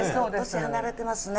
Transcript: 年離れてますね。